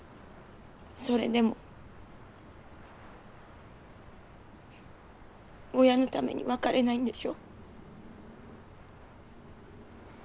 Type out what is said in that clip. それでも親のために別れないんでしょ？